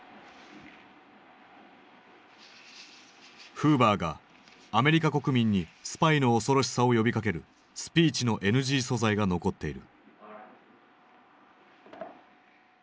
フーバーがアメリカ国民にスパイの恐ろしさを呼びかけるスピーチのＮＧ素材が残っている。